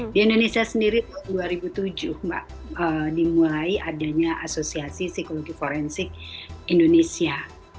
di indonesia sendiri tahun dua ribu tujuh mbak dimulai adanya asosiasi psikologi forensik indonesia